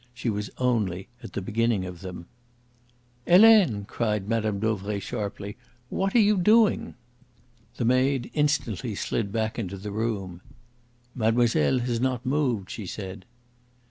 She was only at the beginning of them. "Helene!" cried Mme. Dauvray sharply. "What are you doing?" The maid instantly slid back into the room. "Mademoiselle has not moved," she said.